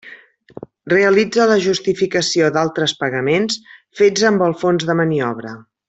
Realitza la justificació d'altres pagaments fets amb el fons de maniobra.